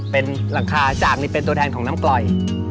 เป็นหลังคาจากนี่เป็นตัวแทนของน้ำกล่อย